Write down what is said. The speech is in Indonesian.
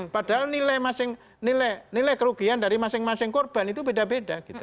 padahal nilai masing nilai kerugian dari masing masing korban itu beda beda